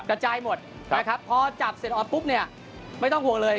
กระจายหมดนะครับพอจับเสร็จออกปุ๊บเนี่ยไม่ต้องห่วงเลย